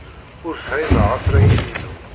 Ur fhimeɣ afrayen-inu.